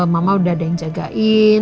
mama udah ada yang jagain